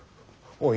おい！